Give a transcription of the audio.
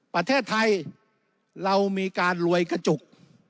ประเทศไทยเรามีการรวยกระจุก